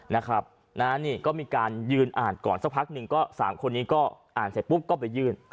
นะครับนี่ก็มีการยืนอ่านก่อนสักพักหนึ่งก็๓คนนี้ก็อ่านเสร็จปุ๊บก็ไปยื่น